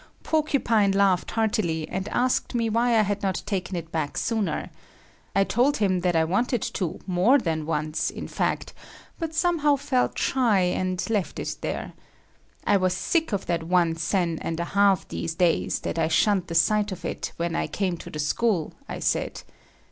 Porcupine laughed heartily and asked me why I had not taken it back sooner. I told him that I wanted to more than once, in fact, but somehow felt shy and left it there. I was sick of that one sen and a half these days that I shunned the sight of it when I came to the school, I said.